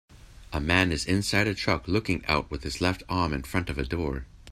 A man is inside a truck looking out with his left arm in front of a door.